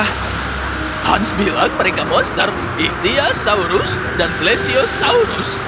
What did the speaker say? hans bilang mereka monster icthyosaurus dan plesiosaurus